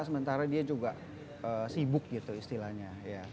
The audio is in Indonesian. sementara dia juga sibuk gitu istilahnya